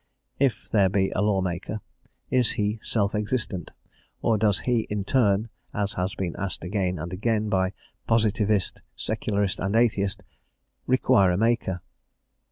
If there be a lawmaker, is he self existent, or does he, in turn, as has been asked again and again by Positivist, Secularist, and Atheist, require a maker?